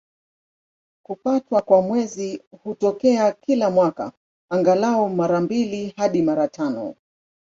Kupatwa kwa Mwezi hutokea kila mwaka, angalau mara mbili hadi mara tano.